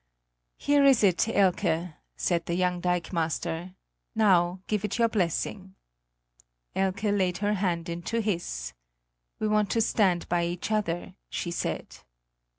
"Here it is, Elke," said the young dikemaster; "now give it your blessing." Elke laid her hand into his: "We want to stand by each other," she said.